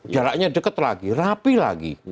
jaraknya dekat lagi rapi lagi